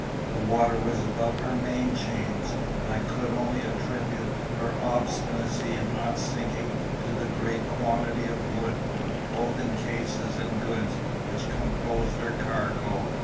The water was above her main chains, and I could only attribute her obstinacy in not sinking to the great quantity of wood—both in cases and goods—which composed her cargo.